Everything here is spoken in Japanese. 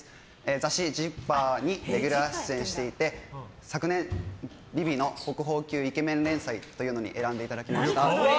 雑誌「Ｚｉｐｐｅｒ」にレギュラー出演していて昨年、「ＶｉＶｉ」の国宝級イケメン連載というのに選んでいただきました。